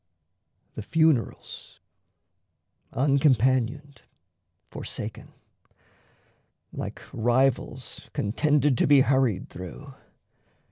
The funerals, uncompanioned, forsaken, Like rivals contended to be hurried through.